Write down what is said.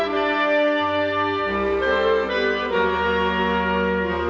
โปรดติดตามต่อไป